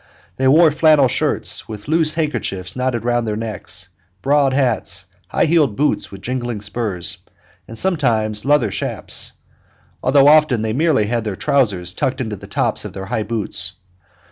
They wore flannel shirts, with loose handkerchiefs knotted round their necks, broad hats, high heeled boots with jingling spurs, and sometimes leather shaps, although often they merely had their trousers tucked into the tops of their high boots.